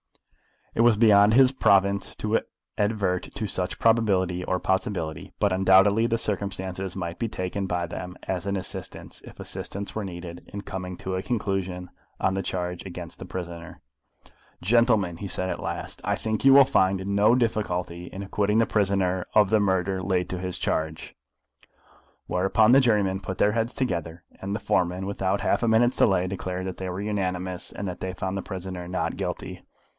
It was beyond his province to advert to such probability or possibility; but undoubtedly the circumstances might be taken by them as an assistance, if assistance were needed, in coming to a conclusion on the charge against the prisoner. "Gentlemen," he said at last, "I think you will find no difficulty in acquitting the prisoner of the murder laid to his charge," whereupon the jurymen put their heads together; and the foreman, without half a minute's delay, declared that they were unanimous, and that they found the prisoner Not Guilty.